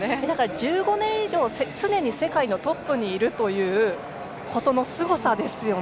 １５年以上常に世界のトップにいるということのすごさですよね。